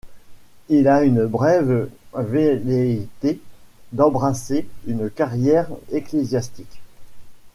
Il a une brève velléité d'embrasser une carrière ecclésiastique.